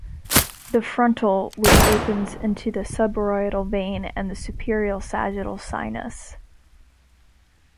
The "frontal", which opens into the supraorbital vein and the superior sagittal sinus.